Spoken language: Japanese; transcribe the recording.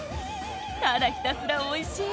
ただひたすらおいしい！